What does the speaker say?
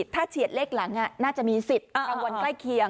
ถ้าเฉียดเลขหลังน่าจะมีสิทธิ์รางวัลใกล้เคียง